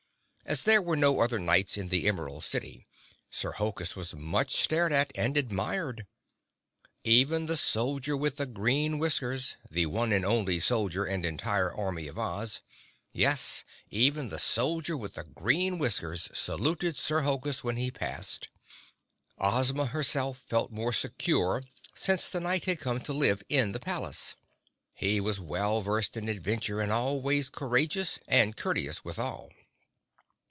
As there were no other Knights in the Emerald City, Sir Hokus was much stared at and admired. Even the Soldier with the Green Whiskers, the one and only soldier and entire army of Oz—yes, even the soldier with the Green Whiskers saluted Sir Hokus when he passed. Ozma, herself, felt more secure since the Knight had come to live in the palace. He was well versed in adventure and always courageous and courteous, withal.